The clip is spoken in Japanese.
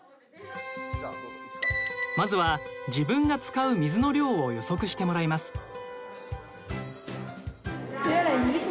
まずは自分が使う水の量を予測してもらいます。